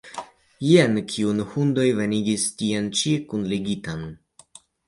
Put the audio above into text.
Jen kiun la hundoj venigis tien ĉi kunligitan!